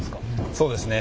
そうですね。